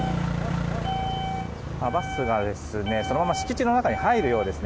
バスが、そのまま敷地の中に入るようです。